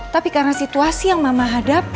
tapi karena situasi yang mama hadapi